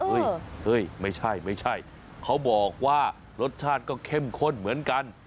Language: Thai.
เฮ้ยไม่ใช่ไม่ใช่เขาบอกว่ารสชาติก็เข้มข้นเหมือนกัน